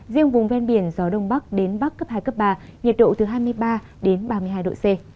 riêng vùng ven biển gió đông bắc đến bắc cấp hai cấp ba nhiệt độ từ hai mươi ba đến ba mươi hai độ c